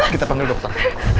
kita panggil dokter